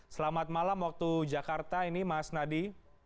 selamat malam waktu jakarta ini mas nadi